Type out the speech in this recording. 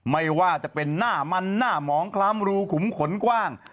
ไม่ว่าจะเป็นหน้ามันหน้าหมองคล้ำรูขุมขนกว้าง